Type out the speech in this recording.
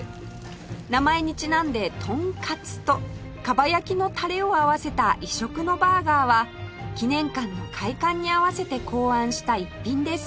名前にちなんでトンカツとかば焼きのたれを合わせた異色のバーガーは記念館の開館に合わせて考案した逸品です